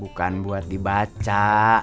bukan buat dibaca